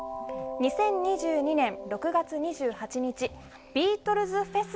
２０２２年６月２８日ビートルズフェス